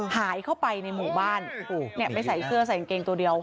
หายเข้าไปในหมู่บ้านไม่ใส่เสื้อใส่กางเกงตัวเดียว